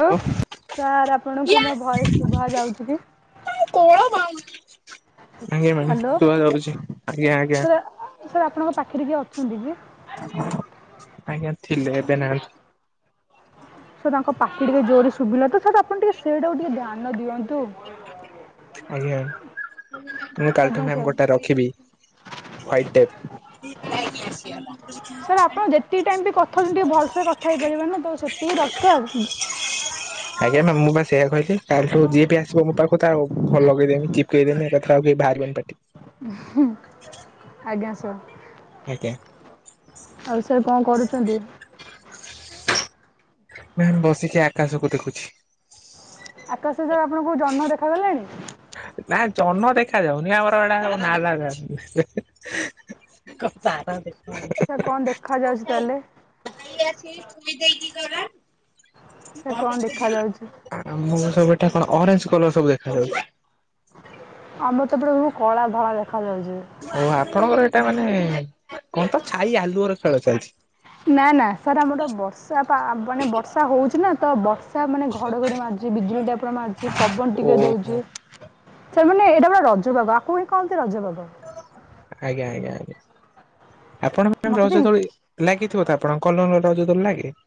Hello sir ଆପଣଙ୍କୁ ମୋ voice ଶୁଭା ଯାଉଛି କି? ଆଜ୍ଞା ମାଡାମ୍ ହ୍ୟାଲୋ ଶୁଭା ଯାଉଛି ଆଜ୍ଞା ଆଜ୍ଞା। ସାର୍ ସାର୍ ଆପଣଙ୍କ ପାଖରେ କିଏ ଅଛନ୍ତି କି? ଆଜ୍ଞା ଥିଲେ ଏବେ ନାହାନ୍ତି। ସାର୍ ତାଙ୍କ ପାଟି ଟିକେ ଜୋରରେ ଶୁଭିଲା ତ, ସାର୍ ଆପଣ ଟିକେ ସେଇଟାକୁ ଟିକେ ଧ୍ୟାନ ଦିଅନ୍ତୁ। ଆଜ୍ଞା ମୁଁ କାଲିଠୁ ଆଜ୍ଞା ମାମ୍ ସାର୍ ଗୋଟେ ରଖିବି ହ୍ଵାଇଟ ଟେପ୍। ସାର୍ ଆପଣ ଯେତିକି ଟାଇମ ବି କଥା ହେଉଛନ୍ତି, ଟିକେ ଭଲସେ କଥା ହେଇପାରିବେ ନା ତ ସେତିକି ଦରକାର ହୁଁ। ଆଜ୍ଞା ମ୍ୟାମ୍ ମୁଁ ବା ସେଇଆ କହିଲି କାଲିଠୁ ଯିଏ ବି ଆସିବ ମୁଁ ତା କଥା ଆଉ [unintelligible] ଲଗେଇ ଦେବି, ଚିପ୍କେଇ ଦେବି ଏକାଥରେ ଆଉ କିଏ ବାହାରିବେନି ପାଟି ଉଁ -ହୁଁ ଆଜ୍ଞା ସାର୍। ଆଜ୍ଞା। ଆଉ ସାର୍ କଣ କରୁଛନ୍ତି? ନାଇଁ ମୁଁ ବସିଛି ଆକାଶକୁ ଦେଖୁଛି। ଆକାଶରେ ଆପଣଙ୍କୁ ଜହ୍ନ ଦେଖାଗଲାଣି? ନା ଜହ୍ନ ଦେଖା ଯାଉନି ଆମର ଏଡ଼ା ସବୁ ନାଲାଗ ହା ହା। କଣ ତାରା ଦେ ସାର୍ କଣ ଦେଖାଯାଉଛି ତାହେଲେ? [unintelligible] ଆମକୁ ସବୁ ଏଠି ସାର୍ କଣ ଦେଖାଯାଉଛି? ଅରେଞ୍ଜ କଲର ସବୁ ଦେଖାଯାଉଛି। ଆମର ତ ପୁରା ସବୁ କଳା ଧଳା ଦେଖାଯାଉଛି। ଓ ଆପଣଙ୍କର ଏଇଟା ମାନେ କଣ ତ ଛାଇ ଆଲୁଅର ଖେଳ ଚାଲିଛି। ନା ନା ସାର୍ ଆମର ବର୍ଷା ପା ମାନେ ବର୍ଷା ହଉଛି ନା ତ ବଷ ସାର ମାନେ ଘଡଘଡି ମାରୁଛି, ବିଜୁଳି ଟା ପୁରା ମାରୁଛି, ପବନ ଟିକେ ଓହୋ ଦଉଛି। ସାର୍ ମାନେ ଏଇଟା ପୁରା ରଜ ପାଗ ଆକୁ ହିଁ କହନ୍ତି ରଜପାଗ। ଆଜ୍ଞା ଆଜ୍ଞା ଆଜ୍ଞା। ଆପଣ [unintelligible] ମୋତେ ବି ରଜ ଦୋଳି ଲାଗିଥିବ ତ ଆପଣଙ୍କର କଲୋନି ର ରଜ ଦୋଳି ଲାଗେ?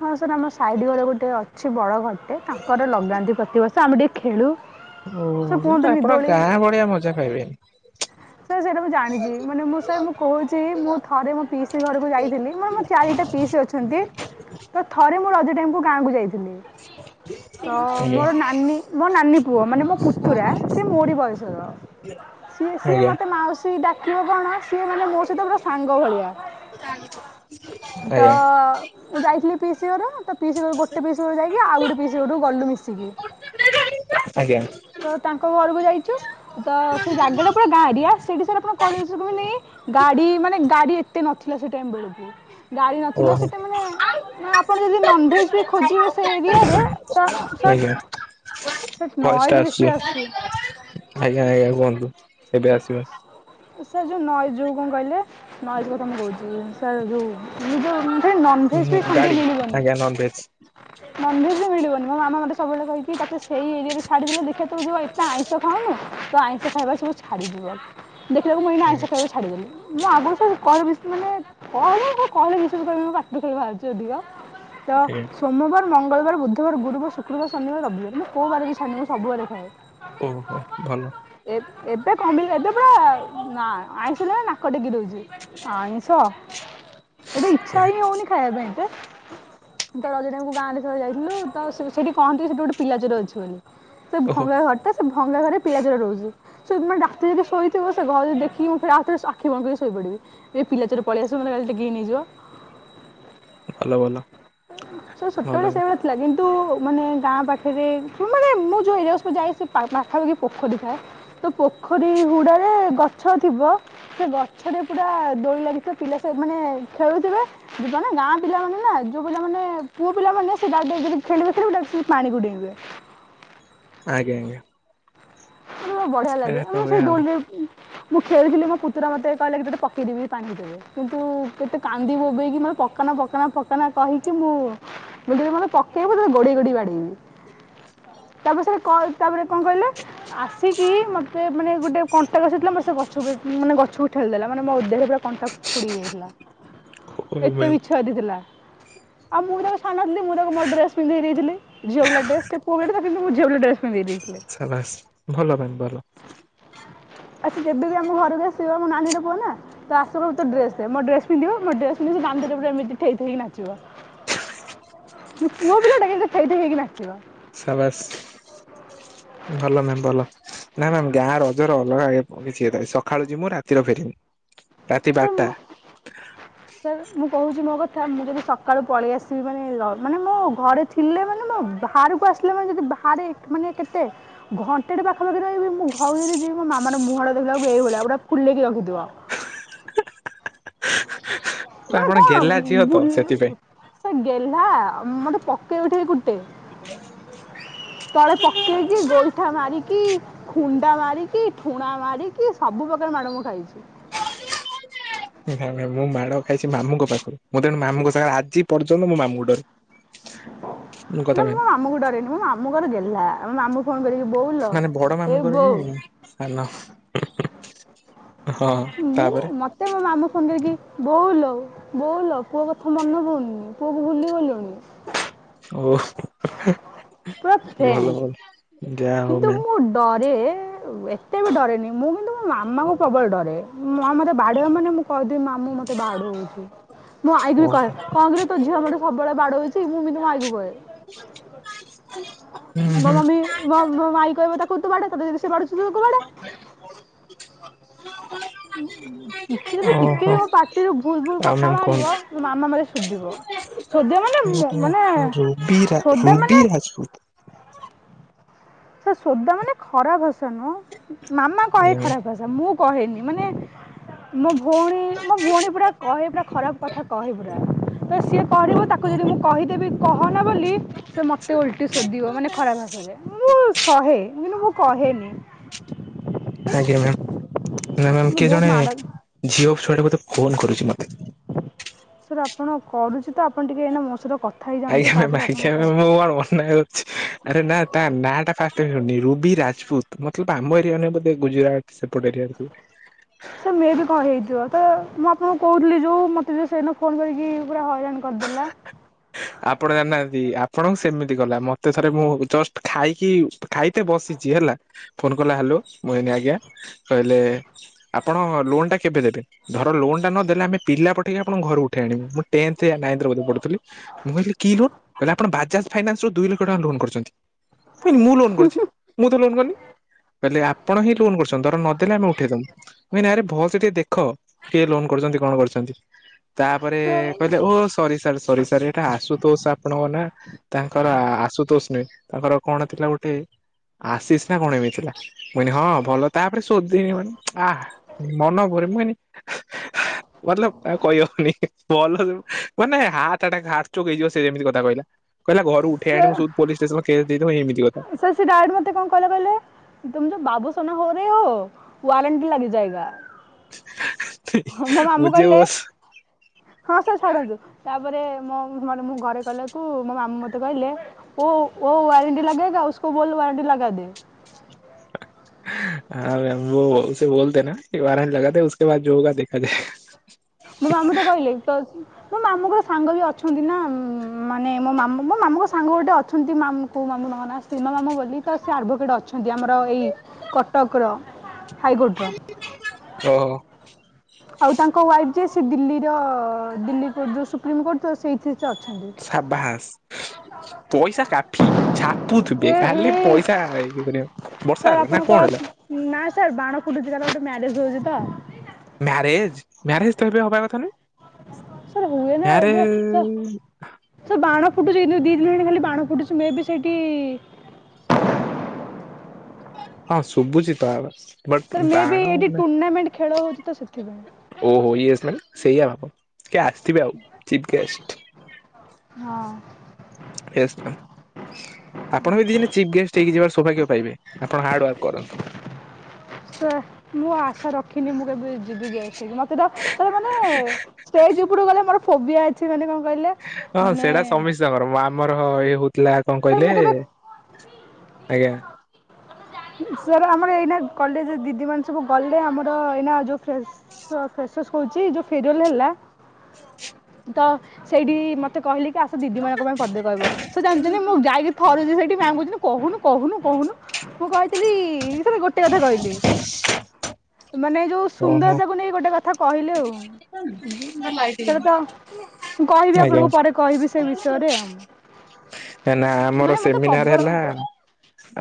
ହଁ ସାର୍ ଆମ ସାଇଟ୍ ଘରେ ଗୋଟେ ଅଛି ବଡ ଘରଟେ ତାଙ୍କର ଲଗାନ୍ତି ପ୍ରତିବର୍ଷ। ଆମେ ଟିକେ ଖେଳୁ। ଓ ହୋ ସାର୍ କିନ୍ତୁ କୁହନ୍ତିନି ଆପଣ ଦୋଳି ଗାଁ ଭଳିଆ ମଜା ପାଇବେନି। ସାର୍ ସେଇଟା ମୁଁ ଜାଣିଛି ମାନେ ମୁଁ ସାର୍ ମୁଁ କହୁଛି ମୁଁ ଥରେ ମୋ ପିଇସି ଘରକୁ ଯାଇଥିଲି। ମାନେ ମୁଁ ଚାରିଟା ପିଇସି ଅଛନ୍ତି। ତ ଥରେ ମୁଁ ରଜ ଟାଇମ୍ କୁ ଗାଁକୁ ଯାଇଥିଲି। ତ ଆଜ୍ଞା। ମୋର ନାନୀ ମୋ ନାନୀ ପୁଅ ମାନେ ମୋ ପୁତୁରା ସେ ମୋରି ବୟସର। ସିଏ ସିଏ ଆଜ୍ଞା ମତେ ମାଉସୀ ଡାକିବ କଣ, ସିଏ ମାନେ ମୋ ସହିତ ପୁରା ସାଙ୍ଗ ଭଳିଆ। ତ ଆଜ୍ଞା ଯାଇଥିଲି ପିଇସି ଘର ତ ପିଇସି ଘରକୁ ଗୋଟେ ପିଇସି ଘରକୁ ଯାଇକି ଆଉ ଗୋଟେ ପିଇସି ଘରକୁ ଗଲୁ ମିଶିକି। ଆଜ୍ଞା। ତ ତାଙ୍କ ଘରକୁ ଯାଇଛୁ। ତ ସେଇ ଜାଗାଟା ପୁରା ଗାଁ ଏରିଆ। ସେଇଠି ସାର ଆପଣ କହିଲେ ବିଶ୍ୱାସ କରିବେନି ଗାଡି ମାନେ ଗାଡି ଏତେ ନଥିଲା ସେ ଟାଇମ ବେଳକୁ। ଗାଡି ନଥିଲା ଓହୋ ସେଟା ମାନେ ନା ଆପଣ ଯଦି ନନଭେଜ ବି ଖୋଜିବେ ସେ ଏରିଆରେ ତ ସାର୍ ସେଠି ଭଏସ ଟା ନଏଜ୍ ଆସଛି ବେଶୀ ଆସୁଛି ଆଜ୍ଞା ଆଜ୍ଞା କୁହନ୍ତୁ? ଏବେ ଆସିବ [inaudible] ସାର୍ ଯୋଉ ନଏଜ ଯୋଉ କଣ କହିଲେ ନଏଜ କଥା ମୁଁ କହୁଛି ସାର୍ ଯୋଉ ହୁଁଁ ଗାଡି ଆଜ୍ଞା ନନଭେଜ। ନନଭେଜ ବି ମିଳିବନି ମୋ ମାମା ମତେ ସବୁବେଳେ କହିକି ତତେ ସେଇ ଏରିଆ ରେ ଛାଡ଼ି ଦେଲେ ଦେଖିବା ତୁ ଯୋଉ ଏତେ ଆଇଁଷ ଆଇଁଷ ଖାଉନୁ ତୋ ଆଇଁଷ ଖାଇବା ସବୁ ଛାଡିଯିବ ଦେଖିଲା ବେଳକୁ ମୁଁ ଏଇନା ଆଇଁଷ ଆଜ୍ଞା ଖାଇବା ଛାଡ଼ିଦେଲି। ମୁଁ ଆଗରୁ ସବୁ କଏ ବିଷୁ ମାନେ କହିଲେ ମୁଁ କହିଲେ ବିଶ୍ଵାସ କରିବୁନି ମୋ ପାଟି ରୁ ଖାଲି ବାହାରୁଛି ଅଧିକ ତ ଆଜ୍ଞା ସୋମବାର ମଙ୍ଗଳବାର ବୁଧବାର ଗୁରୁବାର ଶୁକ୍ରବାର ଶନିବାର ରବିବାର ମୁଁ କୋଉ ବାର ବି ଛାଡିନି ସବୁ ବାରେ ଖାଏ। ଓହୋ ଭଲ। ଏ ଏବେ କମଲା ଏବେ ପୁରା ନା ଆଇଁଷ ନା ନାକ ଟେକି ଦଉଛି ଆଇଁଷ ଏଠି ଇଚ୍ଛା ଆଜ୍ଞା ହିଁ ହଉନି ଖାଇବା ପାଇଁ ଏତେ ତ ରଜ ଟାଇମଙ୍କୁ ଗାଁରେ ସ ଯାଇଥିଲୁ ତ ସେଇଠି କହନ୍ତି କି ସେଇଠି ଗୋଟେ ପିଲାଚୋର ଅଛି ବୋଲି ସେ ଓହୋ ଭଙ୍ଗା ଘର ଟା ସେ ଭଙ୍ଗା ଘରେ ପିଲାଚୋର ରହୁଛି ସେଇମେ ଡାତିରେ ଯଜି ଶୋଇଥିବ ସେ ଘରେ ଦେଖି ମୁଁ ରାତିରେ ଆଖି ବନ୍ଦ କରିକୀ ଶୋଇପଡ଼ିବି। ଏ ପିଲାଚୋର ପଳିଆସିବ ମତେ କାଳେ ଟେକିକି ନେଇଯିବ [unintelligible] ଭଲ ସେ ଭଲ। ସେତେବେଳେ ସେଇଭଳିଆ ହେଲା କିନ୍ତୁ ମାନେ ଗାଁ ପାଖରେ ମାନେ ମୁଁ ଯୋଉ ଏରିଆ ସବୁ ଯାଏ ସେ ପା ପାଖାପାଖି ପୋଖରୀ ଥାଏ ତ ପୋଖରୀ ହୁଡାରେ ଗଛ ଥିବ ସେ ଗଛରେ ପୁରା ଦୋଳି ଲାଗିଥିବ ପିଲା ସବୁ ସେ ମାନେ ଖେଳୁଥିବେ ଯିବା ନା ଗାଁ ପିଲାମାନେ ନା ଯୋଉ ପିଲାମନେ ପୁଅ ପିଲାମାନେ ସେ [inaudible] ଖେଳିବେ ଖେଳିବେ ପାଣିକୁ ଡେଇଁବେ ଆଜ୍ଞା ଆଜ୍ଞା। ବଢିଆ ଲାଗେ ଏଇଆ ତ ମୁଁ ହୁଏ ସେଇ ଆଉ ଦୋଳିରେ ମୁଁ ଖେଳିଥିଲି ମୋ ପୁତୁରା ମତେ କହିଲା କି ତୋତେ ପକେଇଦେବି ପାଣିି ଭିତରେ କିନ୍ତୁ କେତେ କାନ୍ଦି ବୋବେଇକି ନା ମୋତେ ପକାନ ପକାନ ପକାନ କହିକି ମୁଁ ମୁଁ କହିଲି ମତେ ପକେଇବୁ ତତେ ଗୋଡେଇ ଗୋଡେଇ ବାଡେଇବି ତାପରେ ସେ କ ତାପରେ କଣ କହିଲେ ଆସିକି ମୋତେ ମାନେ ଗୋଟେ କଣ୍ଟା ଗଛ ଥିଲା ମତେ ସେ ମାନେ ଗଛକୁ ଉପ ଠେଲି ଦେଲା ମାନେ ମୋ ଦେହରେ ପୁରା କଣ୍ଟା ପୁ ଫୁଡିହେଇ ଯାଇଥିଲା ଓ ଏତେ ମ୍ୟାମ୍ ବିଛୁଆତି ଥିଲା ଆଉ ମୁଁ ବି ତା ଥାନ ଥିଲି ମୁଁ ଯେଉ ମୋ ଡ୍ରେସ୍ ପିନ୍ଧେଇ ଦେଇ ଥିଲି ଝିଅ ପିଲା ଡ୍ରେସ୍ ସେ ପୁଆ ପିଲା କିନ୍ତ ମୁଁ ଝିଅପିଲା ଡ୍ରେସ୍ ପିନ୍ଧେଇ ଦେଇଥିଲି ସାବାସ୍ ଭଲ ପାଇଁ ଭଲ। ଆଉ ସିଏ ଯେବେ ବି ଆମ ଘରକୁ ଆସିବ ମୋ ନାନୀ ର ପୁଅ ନା ତ ଆସିବ ମତେ କହିବା ତୋ ଡ୍ରେସ୍ ଦେ ମୋ ଡ୍ରେସ ପିନ୍ଧିବ ମୋ ଡ୍ରେସ୍ ପିନ୍ଧିବ ସେ ଦାଣ୍ଡରେ ପୁରା ଏମିତି ଥେଇଥେଇକି ନାଚିବ। ପୁଅ ପିଲାଟା କିନ୍ତୁ ଥେଇଥେଇ ହେଇକି ନାଚିବ। ଶାବାସ୍ ଭଲ ମ୍ୟାମ୍ ଭଲ। ନାଇ ମ୍ୟାମ୍ ଗାଁ ରଜରେ ଅଲଗା କିଛି ହେଇଥାଏ ସକାଳୁ ଜିମୁଁ ରାତିରେ ଫେରୀମି। ରାତି ବାରଟା। ସେ ସାର୍ ମୁଁ କହୁଛି ମୋ କଥା ମୁଁ ଯଦି ସକାଳୁ ପଳେଇ ଆସିବି ମାନେ ର ମାନେ ମୋ ଘରେ ଥି ପିଲେ ମାନେ ମ ବାହାରକୁ ଆସିଲେ ମାନେ ଯଦି ବାହାରେ ମାନେ କେତେ ଘଣ୍ଟେଟେ ପାଖପାଖି ରହିବି ମୁଁ ଘର କୁ ଯଦି ଯିବି ମୋ ମାମା ର ମୁଁହ ଟା ଦେଖିଲା ବେଳକୁ ଏଇଭଳିଆ ଫୁଲେଇକି ରଖିଥିବ। ମାନେ ଆପଣ କଣ ଗେହ୍ଲା ଝିଅ ତ ବୁ ସେଥିପାଇଁ ସେ ଗେହ୍ଲା ମତେ ପକେଇ ଉଠେଇକି କୁଟେ କି [unintelligible] ତଳେ ପକେଇକି ଗୋଇଠା ମାରିକି ଖୁଣ୍ଡା ମାରିକି ଠୁଣା ମାରିକି ସବୁ ପ୍ରକାର ମାଡ଼ ମୁଁ ଖାଇଛି ନାଇଁ ନାଇଁ ମୁଁ ମାଡ଼ ଖାଇଛି ମାମୁଁଙ୍କ ପାଖରୁ ମୁଁ ତେଣୁ ମାମୁଙ୍କ ସାଙ୍ଗରେ ଆଜି ପର୍ଯ୍ୟନ୍ତ ମୋ ମାମୁଁ ଡରେ କଥା ନା ମୁଁ କହନି ମୋ ମାମୁଁଙ୍କୁ ଡରେନି ମୁଁ ମାମୁଁ ଙ୍କର ଗେହ୍ଲା ମାମୁଁ ଫୋନ୍ କରିକି ବୋଉଲ ଏ ବୋଉ ହ୍ୟାଲୋ ହଁ ତାପରେ ସେ ମୋ ମାମୁଁ ସାଙ୍ଗେକି ବୋଉ ଲୋ। ବୋଉଲୋ ପୁଅ କଥା ମନେ ପଉନି ପୁଅକୁ ଭୁଲି ଗଲୁଣି। ଓ ପୁରା [unintelligible] ଫ୍ରେଣ୍ଡ୍ ଭଲ ଯାହା ହଉ କିନ୍ତୁ ମ୍ୟାମ୍ ମୁଁ ଡରେ ଏତେ ବି ଡରେନି ମୁଁ କିନ୍ତୁ ମାମା କୁ ପ୍ରବଳ ଡରେ ମାମା ମୋତେ ବାଡେଇବ ମାନେ ମୁଁ କହିଦେବି ମାମୁଁ ମତେ ବାଡଉଚି। ମୁଁ ଆଈ ବି ଓହୋ କହେ କଣ କହିଲେ ତୋ ଝିଅ ମୋତେ ସବୁବେଳେ ବାଡ ହଉଛି ମୁଁ ବି ମୋ ଆଈ କୁ କହେ। ହୁଁ ମୋ ହୁଁ। ମମି ମୋ ଆଇ କହିବ ତାକୁ ତୁ ବାଡା ତତେ ଯେମିତି ବାଡ଼ଉଚି ତୁ ତାକୁ ବାଡା। କିଛି ତ ତ ଟିକେ ଓହୋ ବି ମୋ ପାଟିରୁ ଭୁଲ ଭୁଲ ଆଉ କଥା ମ୍ୟାମ୍ କୁହନ୍ତୁ ବାହାରିବ ମୋ ମାମା ମତେ ସୁୁଧିବ। ସୋଦିବ ମାନେ ମୋ ମାନେ ରୁବି ରା ସଧ୍ୟା ରୁବି ମାନେ ରାଜପୁତ ସେ ସୋଦା ମାନେ ଖରାପ ଭାଷା ନୁହଁ ମାମା କହେ ଖରାପ ରହିଥା ମୁଁ କହେନି ମାନେ ମୋ ଭଉଣୀ ମୋ ଭଉଣୀ ପୁରା କହେ ପୁରା ଖରାପ କଥା କହେ ପୁରା। ତ ସିଏ କରିବ ତାକୁ ଯଦି ମୁଁ କହିଦେବି କହନା ବୋଲି ସେ ମୋତେ ଓଲ୍ଟି ଶୋଧିବ ମାନେ ଖରା ଭାଷାରେ। ମୁଁ ଶହେ କିନ୍ତୁ ମୁଁ କହେନି। ଆଜ୍ଞା ମ୍ୟାମ ନା ମ୍ୟାମ ମୁଁ କିଏ ବହୁତ ଜଣେ ମାଡ଼ ଝିଅ ଛୁଆଟେ ଫୋନ୍ କରୁଛି ମତେ। ସାର୍ ଆପଣ କରୁଛି ତ ଆପଣ ଟିକେ ଏନା ମୋ ସହିତ କଥା [unintelligible] ହେଇଯାଆନ୍ତୁ ତାପରେ ଆପଣ କହୁ ଆରେ ନା ତା ନାଁ ଟା ଫାଷ୍ଟ ନିରୁରୁବି ରାଜପୁତ ମତଲବ ଆମ ଏରିଆ [unintelligible] ବୋଧେ ଗୁଜୁରାଟ ସେପାଟେ ଏରିଆରେଥିଲା। [unintelligible] ସାର୍ ମେ ବି କଣ ହେଇଥିବ ତ ମୁଁ ଆପଣଙ୍କୁ କହୁଥିଲି ଯେଉଁ ମୋତେ ଯେ ସେଇଦିନ ଫୋନ୍ କରିକି ପୁରା ହଇରାଣ କରିଦେଲା। ଆପଣ ଜାଣିନାହାନ୍ତି ଆପଣଙ୍କୁ ସେମିତି ଗଲା ମତେ ଥରେ ମୁଁ ଜଷ୍ଟ ଖାଇକି ଖାଇତେ ବସିଛି ହେଲା ଫୋନ କଲା ହାଲୁ ମୁଁ ଏନି ଆଜ୍ଞା କହିଲେ ଆପଣ ଲୋନୋ ଟା କେବେ ଦେବେ? ଧର ଲୋନ ଟା ନ ଦେଲେ ଆମେ ପିଲା ପଠେଇକି ଆପଣଙ୍କୁ ଘରୁ ଉଠେଇ ଆଣିବ ମୁଁ [unintelligible] ପଢୁଥିଲି ମୁଁ କହିଲି କି ଲୋନ କହିଲେ ଆପଣ ବଜାଜ ଫାଇନାନ୍ସୁ ଦୁଇ ଲକ୍ଷ ଟଙ୍କା ଲୋନ କରିଛନ୍ତି। ମୁୁ କହିଲି ମୁଁ ଲୋନ କରିଛି ମୁଁ ତ ଲୋନ କରିନି। କହିଲେ ଆପଣ ହିଁ ଲୋନ କରୁଛନ୍ତି ଧର ନଦେଲେ ଆମେ ଉଠେଇଦବୁ। ମୁଁ କହିଲି ଆରେ ଭଲ ସେ ଟିକେ ଦେଖ କିଏ ଲୋନ କରୁଛନ୍ତି କଣ କରିଛନ୍ତି। ତାପରେ ସେ କହିଲେ ଓ ସରି ସାର ସରି ସାର ଏଟା ଆସୁ ତୋଷ ଆପଣଙ୍କ ନା? ତାଙ୍କର ଆଶୁତୋଷ ନୁହେଁ ତାଙ୍କର କଣ ଥିଲା ଗୋଟେ ଆଶିଶି ନା କଣ ଏମିତି ଥିଲା। ମୁଇଁ ହଁ ଭଲ ତାପରେ ଶୋଧୀଲି ମାନେ ଆ ମନ କରରେ [unintelligible] ମତଲବ କାହାକୁ କହିହବନି ଭଲ ମାନେ ହାଁ ଟାଟ ହାର୍ଟ ଚକ ହେଇିବ ସେ ଯେମିତି କଥା କହିଲା କହିଲା ଘରୁ ଉଠେଇ ଆଣିବୁ ଉେଇ ଆଣ ପୋଲିସ ଷ୍ଟେସ କେଶ ଦେଇଦେବୁ ଏମିତି କହିଲା। ସାର ସେ ଡାଇରେଟ ମୋତେ କଣ କହିଲେ? ତୁମ ଯ ବାବୁସାନ ହୋରେହ ୱରେଣ୍ଟ ଲାଗି ଯାଇଏଗା। ମୁଝେ କହିଲେ ବସ୍ ହଁ ସେ ଛାଡ଼ନ୍ତୁ ତାପରେ ମୋ ମ ମୁଁ ଘରେ କଲାକୁ ମୋ ମାମୁ ମତେ କହିଲେ ଓ ୱରେଣ୍ଟ ଲଗେଇଗା ଉଷୁକେ ବୋଲାରଣ୍ଟି ଲଗା ଦେ। [unintelligible] ମୋ ମାମୁଁ ତ କହିଲେ ତ ମୋ ମାମୁଁଙ୍କର ସାଙ୍ଗ ବି ଅଛନ୍ତି ନା ମାନେ ମୋ ମାମୁଁ ମୋ ମାମୁଁଙ୍କ ସାଙ୍ଗ ଗୋଟେ ଅଛନ୍ତି ମାଁ କୋଉଁ ମାମୁଁ ନନା। ସୀମା ମାମା ବୋଲି ତ ସେ ଆଡ଼ଭୋକେଟ୍ ଅଛନ୍ତି, ଆମର ଏଇ କଟକର ହାଇକୋର୍ଟର। ଓହୋ। ଆଉ ତାଙ୍କ ୱାଇଫ୍ ଯେ ସେ ଦିଲ୍ଲୀର-ଅ-ଅ-ଅ-ଅ ଦିଲ୍ଲୀଟ ଯୋଉ ସୁପ୍ରିମକୋର୍ଟ ସେଇଥିରେ ସେ ଅଛନ୍ତି। ସବାସ୍ ପଇସା କାଫି। ଛାପୁଥିବେ ଏ ହେ ଖାଲି ପଇସା ହେଇକ ଦୁନିଆ ବର୍ଷା ସାର୍ ହେଲା ନା ଆପଣଙ୍କ କଣ ହେଲା? ନା ସାର୍ ବାଣ ଫୁଟୁଛି କାହାର ଗୋଟେ ମ୍ୟାରେଜ୍ ହୋଉଛି ତ। ମ୍ୟାରେଜ୍ ମ୍ୟାରେଜ୍ ତ ଏବେ ହବା କଥା ନୁହେଁ, ସାର୍ ମ୍ୟାରେଏ-ଏ-ଏ-ଏ ସେ ବାଣ ଫୁଟୁଛି ଦୁଇ ଦିନ୍ ହେଲାଣି ଖାଲି ବାଣ ଫୁଛି ମେ ବି ସେଇଠି ହଁ ଶୁଭୁଛି ତାର। ସାର୍ ମେ ବି ଏଇଠି ଟୁର୍ଣ୍ଣାମେଣ୍ଟ୍ ଖେଳ ହୋଉଛି ତ ସେଥିପାଇଁ। ଓହୋ ଇଏ ମ ସେଇଆ ହବ କିଏ ଆସିଥିବେ ଆଉ ଚିପ୍ ଗେଷ୍ଟ୍। ହଁ। ୟେସ୍ ମାମ୍ ଆପଣ ବି ଦିନେ ଚିଫ୍ ଗେଷ୍ଟ୍ ହେଇକି ଯିବାର ସୌଭାଗ୍ୟ ପାଇବେ, ଆପଣ ହାର୍ଡ ୱାର୍କ କରନ୍ତୁ। ସେ ମୁଁ ଆଶା ରଖିନି ମୁଁ କେବେ ଯିବି ଗେଷ୍ଟ୍ ହେଇକି ମତେ ତ ସେ ମାନେ ସେଇ ଯୁଗୁରୁ ଗଲେ ମୋର ଫୋଭିଆ ଅଛି ମାନେ କଣ କହିଲେ? ହଁ ମାନେ ସେଟା ସମୀସ୍ତଙ୍କର ଆମର ଇଏ ହଉଥିଲା କଣ ସାର୍ କହିଲେ ମୁଁ କେବେ ଆଜ୍ଞା। ସାର୍ ଆମର ଏଇନା କଲେଜ୍ ଦିଦି ମାନେ ସବୁ ଗଲେ ଆମର ଏଇନା ଯୋଉ ଫ୍ରେଶ୍ ଫ୍ରେସସ୍ କହୁଛି ଯୋଉଁ ଫେରୁଆଲ୍ ହେଲା। ତ ସେଇଠି ମତେ କହିଲି କି ଆସ ଦିଦି ମାନଙ୍କ ପାଇଁ ପଦେ କହିବ, ସେ ଜାଣିଛନ୍ତି ମୁଁ ଯାଇକି ଥରୁଛି ସେଇଠି ମ୍ୟାମ୍ କହୁଛନ୍ତି କହୁନୁ -କହୁନୁ- କହୁନୁ। ମୁଁ କହିଥିଲି ସାର୍ ଗୋଟେ କଥା କହିଲି। ମାନେ ଯୋଉ ଓହୋ ସୁନ୍ଦରତାକୁ ନେଇ ଗୋଟେ କଥା କହିଲି ଆଉ। ସେଟା ତ ମୁଁ କହିବି ଆଜ୍ଞା। ଆପଣଙ୍କୁ ପରେ କହିବି ସେ ବିଷୟରେ ଆଉ। ନା ଆମର ମାନେ ମତେ ସେମିନାର୍ ପ୍ରବଳ ହେଲା।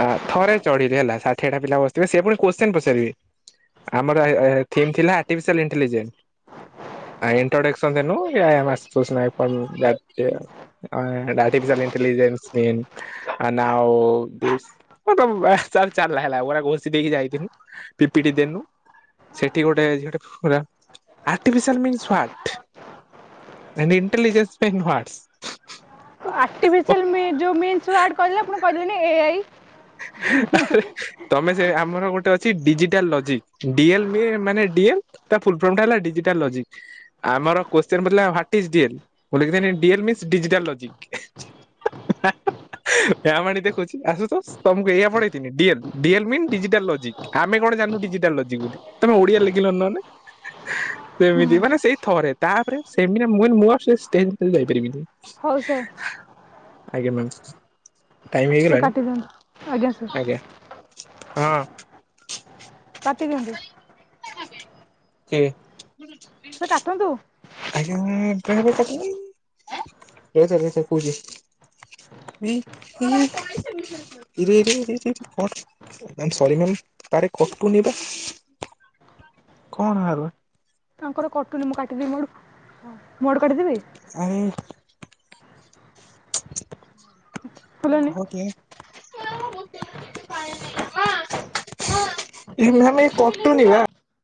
ଆ ଥରେ ଚଢିଲି ହେଲା ଷାଠିଏଠା ପିଲା ବସଥିବେ, ସେ ପୁଣି କୋଶ୍ଚିନ୍ ପଚାରିବେ। ଆମର ଏ-ଏ ଥିମ୍ ଥିଲା, ଆର୍ଟିଫିସିଆଲ୍ ଇଣ୍ଟେଲିଜେନ୍ସ। ଆଉ ଇଣ୍ଟ୍ରୋଡକ୍ସ ଅନ୍ ଦେନୁ [inaudible] ହଁ ଆର୍ଟିଫିଲଣ୍ଟେଲିଜେନ୍ସ ଆ ନାଓ-ଓ ତ ଚା ହେଲା ଗ- ଘଷି ଦେଇକି ଯାଇଥିଲିନୁ ପିପିଟି ଦେନୁ ସେଠି ଗୋଟେ ଝିଅ ଟେ ପୁରା artificial means what intelligence means what's. Artificial ମି ଯୋଉ ମିନ୍ସ୍ ୱାଟ୍ ଯୋଉ କହିଲେ କହିଲାନି ଏ ଆଇ। ଆରେ। ତମେ ସେ ଆମର ଗୋଟେ ଅଛି ଡିଜିଟାଲ୍ ଲଜିକ୍ ଡିଏଲ ମାନେ ଡିଏଲ୍। ତା ଫୁଲ୍ ଫର୍ମ ଟା ହେଲା ଡିଜିଟାଲ୍ ଲୋଜିକ୍। ଆମର କୋଶ୍ଚିନ୍ ପଡ଼ିଥିଲା ୱାଟ୍ ଇଜ୍ ଡିଲ୍ ମୁଁ ଲେଖିଦେନି ଡିଏଲ୍ ମିନ୍ସ୍ ଡିଜିଟାଲ୍ ଲଜିକ୍। ଏ ମାଣି ଦେଖୁଛି ଆସୁ ତୋଷ୍ ତମକୁ ଏଆ ପଢେଇ ତିନି ଡିଏଲ ଡିଏଲ୍ ମି ଡିଜିଟାଲ୍ ଲଜିକ୍ ଆମେ କଣ ଜାଣିନୁ ଡିଜିଟାଲ୍ ଲୋଜ୍ ବୋଲି। ତମେ ଓଡିଆ ଲେଖିଲନି ନହେଲେ। ସେମିତି ମାନେ ସେଇ ଥରେ ତାପରେ ସେମି ମୁ- ମୁଁ ଆଉ ଷ୍ଟେଜ୍ ଯାଇପାରିବିନି। ହଉ ସାର୍। ଆଜ୍ଞା ମ୍ୟାମ୍। ସାର କାଟି ଦିଅନ୍ତୁ ଆଜ୍ଞା ସାର୍। ଆ ହଁ। କାଟି ଦିଅନ୍ତୁ। କିଏ? ହୁଁଁ। ସାର କାଟନ୍ତୁ। [inaudible] [inaudible] ରି ତାରେ କଟୁନ ବା କଣ ଆ ତାଙ୍କର କଟୁନୀ ମୁଁ କାଟିଦେବି ମୋ ଆଡୁ ମୋ ଆଡୁ କାଟିଦେବି। ଆରେ ହେଲାନି। ହ କି। [inaudible] ଏମେ ଏ କଟୁନି ନା।